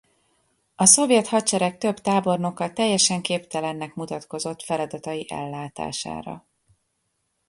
A szovjet hadsereg több tábornoka teljesen képtelennek mutatkozott feladatai ellátására.